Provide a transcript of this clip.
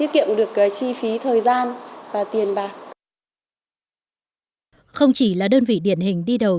không chỉ là đơn vị điển hình đi đầu